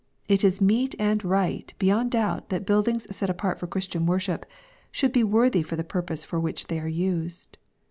It is meet and right beyond doubt that buildings set apart for Christian wor ship, should be worthy of the purpose for which they are used.